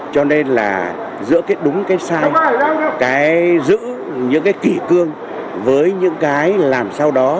cho nên giữa đúng sai giữ những kỳ cương với những cái làm sao đó